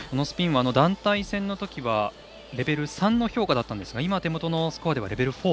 スピンは団体戦のときはレベル３の評価だったんですが今の手元のスコアではレベル